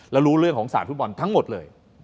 แล้วรู้เรื่องของศาสตร์ฟุตบอลทั้งหมดเลย